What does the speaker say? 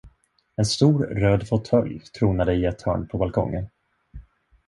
En stor, röd fåtölj tronade i ett hörn på balkongen.